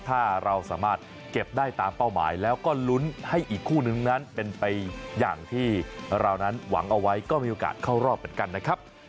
ถ้าเราสามารถเก็บได้ตามเป้าหมายแล้วก็ลุ้นให้อีกคู่นึงนั้นเป็นไปอย่างที่เรานั้นหวังเอาไว้ก็มีโอกาสเข้ารอบเหมือนกันนะครับ